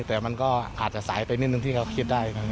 แต่มันก็อาจจะสายไปนิดนึงที่เขาคิดได้